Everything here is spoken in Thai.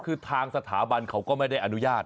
คือทางสถาบันเขาก็ไม่ได้อนุญาต